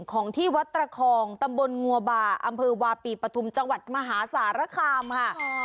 ของที่วัดตระคองตำบลงัวบาอำเภอวาปีปฐุมจังหวัดมหาสารคามค่ะ